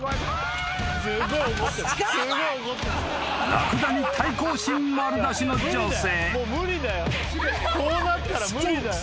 ［ラクダに対抗心丸出しの女性］